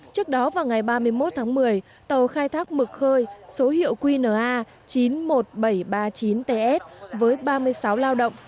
trước đó vào ngày ba mươi một tháng một mươi tàu khai thác mực khơi số hiệu qna chín mươi một nghìn bảy trăm ba mươi chín ts với ba mươi sáu lao động